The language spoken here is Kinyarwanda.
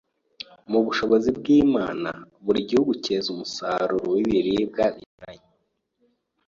Mu bushobozi bw’Imana, buri gihugu cyeza umusaruro w’ibiribwa binyuranye